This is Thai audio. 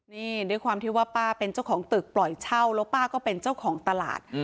นี่ด้วยความที่ว่าป้าเป็นเจ้าของตึกปล่อยเช่าแล้วป้าก็เป็นเจ้าของตลาด